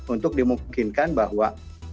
untuk dimungkinkan bahwa